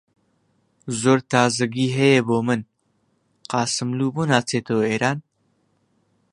زۆر تازەگی هەیە بۆ من! قاسملوو بۆ ناچێتەوە ئێران؟